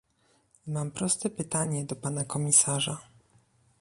Mam proste pytanie do pana komisarza